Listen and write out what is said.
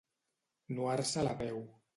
Nuar-se la veu.